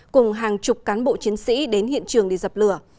cùng hàng chục cán bộ chiến sĩ đến hiện trường để dập lửa